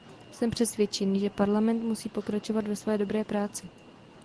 Jsem přesvědčený, že Parlament musí pokračovat ve své dobré práci.